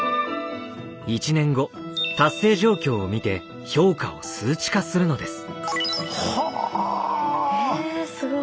１年後達成状況を見て評価を数値化するのです。